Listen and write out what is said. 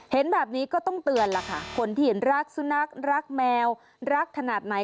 เห็นแบบนี้ก็ต้องเตือนล่ะค่ะคนที่รักสุนัขรักแมวรักขนาดไหน